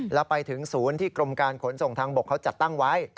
แล้วไปถึงศูนย์ที่กรมการขนส่งทางบกเขาจัดตั้งไว้